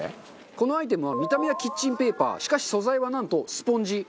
このアイテムは見た目はキッチンペーパーしかし素材はなんとスポンジ。